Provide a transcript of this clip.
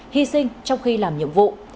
hy sinh trong khi làm nhiệm vụ